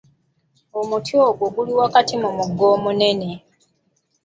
Omuti ogwo gwali wakati mu mugga omunene.